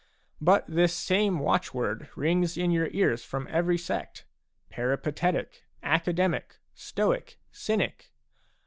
But this same watchword rings in your ears from every sect, — Peripatetic, Academic, Stoic, Cynic.